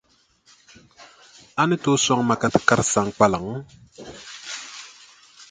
A ni tooi sɔŋ ma ka ti kari Saŋkpaliŋ?